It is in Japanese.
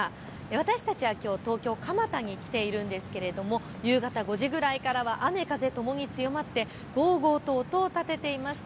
私たちはきょう東京蒲田に来ているんですが夕方５時ぐらいからは雨風ともに強まってごうごうと音を立てていました。